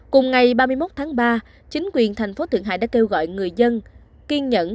cùng ngày ba mươi một tháng ba chính quyền tp thượng hải đã kêu gọi người dân kiên nhẫn